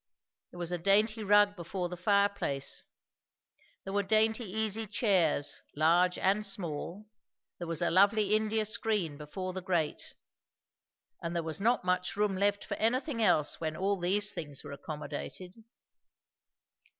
There was a dainty rug before the fireplace; there were dainty easy chairs large and small; there was a lovely India screen before the grate; and there was not much room left for anything else when all these things were accommodated.